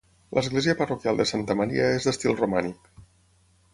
L'església parroquial de Santa Maria és d'estil romànic.